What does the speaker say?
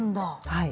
はい。